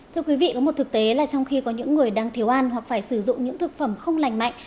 thưa quý vị có một thực tế là trong khi có những người đang thiếu ăn hoặc phải sử dụng những thực phẩm không lành mạnh